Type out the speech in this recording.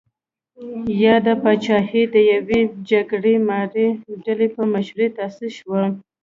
یاده پاچاهي د یوې جګړه مارې ډلې په مشرۍ تاسیس شوه.